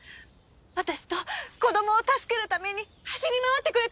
私と子供を助けるために走り回ってくれたんです！